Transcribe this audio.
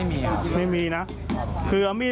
ไม่มี